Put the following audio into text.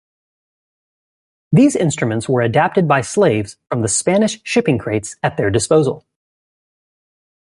These instruments were adapted by slaves from the Spanish shipping crates at their disposal.